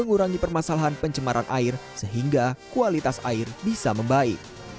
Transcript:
mengurangi permasalahan pencemaran air sehingga kualitas air bisa membaik